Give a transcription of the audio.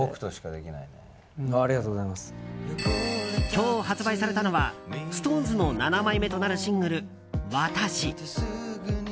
今日発売されたのはＳｉｘＴＯＮＥＳの７枚目となるシングル「わたし」。